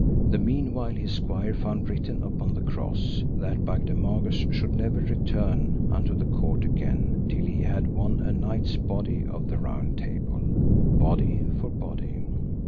The meanwhile his squire found written upon the cross, that Bagdemagus should never return unto the court again, till he had won a knight's body of the Round Table, body for body.